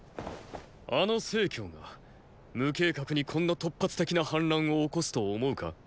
あの成が無計画にこんな突発的な反乱を起こすと思うか？